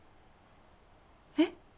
えっ？